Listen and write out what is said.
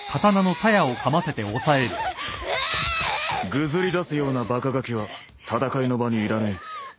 ぐずりだすようなバカがきは戦いの場にいらねえ。